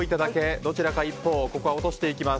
どちらか一方ここは落としていきます。